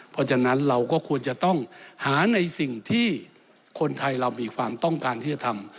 เพราะฉะนั้นเราก็ควรจะต้องหาในสิ่งที่คนไทยเรามีความต้องการที่จะทำ